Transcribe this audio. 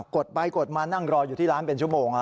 ดไปกดมานั่งรออยู่ที่ร้านเป็นชั่วโมง